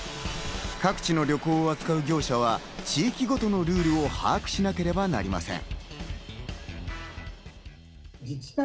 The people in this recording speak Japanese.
各地の旅行を扱う業者は地域ごとのルールを把握しなければなりません。